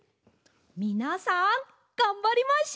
みなさんがんばりましょう！